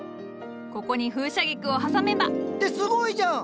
ここに風車菊を挟めば。ってすごいじゃん！